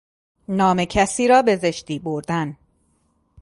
نام کسی را به زشتی بردن